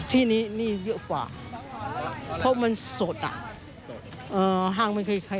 ที่นี่เงี่ยวกว่าเพราะว่ามันสดอ่ะห้างมันเข้า